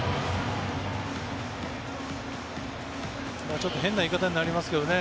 ちょっと変な言い方になりますけどね